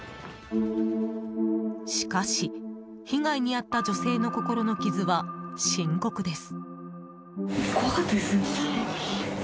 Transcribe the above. しかし、被害に遭った女性の心の傷は深刻です。